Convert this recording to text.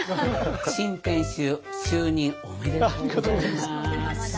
新店主就任おめでとうございます。